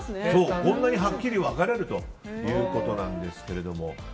こんなにはっきり分かれるということなんですけれども。